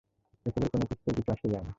এসবের কোনোকিছুতেই কিছু যায় আসে না।